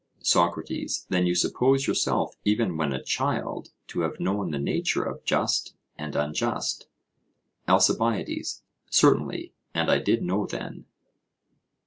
SOCRATES: Then you suppose yourself even when a child to have known the nature of just and unjust? ALCIBIADES: Certainly; and I did know then.